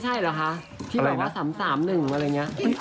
ที่บอกว่า๓๓๑อะไรอย่างนี้